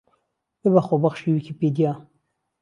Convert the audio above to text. ببە خۆبەخشی ویکیپیدیا